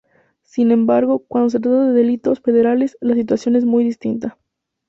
Sin embargo, cuando se trata de delitos federales, la situación es muy distinta.